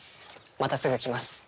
またすぐ来ます。